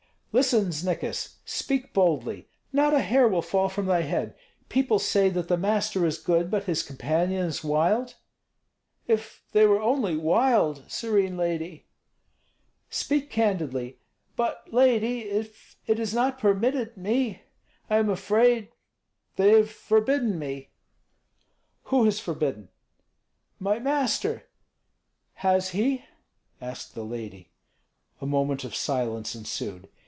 "Listen, Znikis, speak boldly; not a hair will fall from thy head. People say that the master is good, but his companions wild?" "If they were only wild, serene lady! " "Speak candidly." "But, lady, if it is not permitted me I am afraid they have forbidden me." "Who has forbidden?" "My master." "Has he?" asked the lady. A moment of silence ensued.